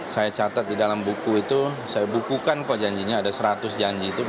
saya catat di dalam buku itu saya bukukan kok janjinya ada seratus janji itu